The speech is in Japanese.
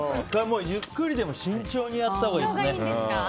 ゆっくりでも慎重にやったほうがいいね。